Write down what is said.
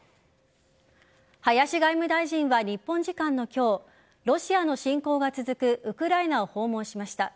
林外務大臣は日本時間の今日ロシアの侵攻が続くウクライナを訪問しました。